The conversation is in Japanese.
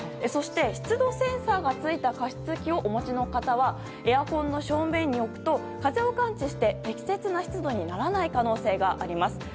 そして湿度センサーがついた加湿器をお持ちの方はエアコンの正面に置くと風を感知して適切な湿度にならない可能性があります。